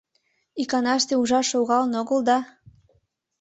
Иканаште ужаш логалын огыл да?